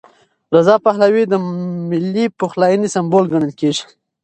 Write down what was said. رضا پهلوي د ملي پخلاینې سمبول ګڼل کېږي.